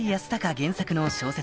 原作の小説